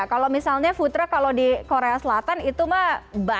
kalau misalnya food truck kalau di korea selatan itu banyak banyak